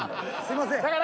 すいません！